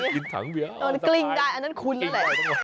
กินถังเบียร์